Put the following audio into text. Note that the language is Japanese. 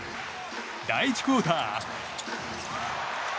第１クオーター。